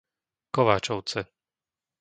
Kováčovce